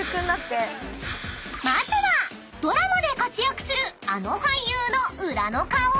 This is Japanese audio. ［まずはドラマで活躍するあの俳優の裏の顔？］